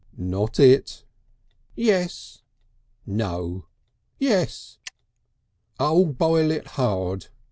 "Not it." "Yes." "No." "Yes." "Oh! Boil it hard!"